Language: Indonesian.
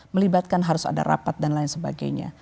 melibatkan harus ada rapat dan lain sebagainya